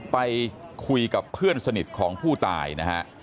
ไปคุยกับเพื่อนสนิทของผู้ตายนะฮะ